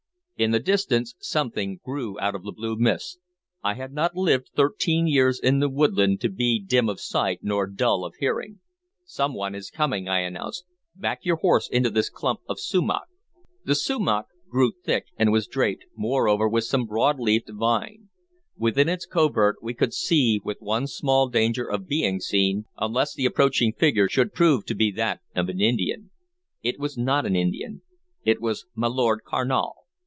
In the distance something grew out of the blue mist. I had not lived thirteen years in the woodland to be dim of sight or dull of hearing. "Some one is coming," I announced. "Back your horse into this clump of sumach." The sumach grew thick, and was draped, moreover, with some broad leafed vine. Within its covert we could see with small danger of being seen, unless the approaching figure should prove to be that of an Indian. It was not an Indian; it was my Lord Carnal.